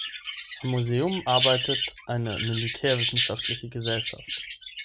Am Museum arbeitet eine militärwissenschaftliche Gesellschaft.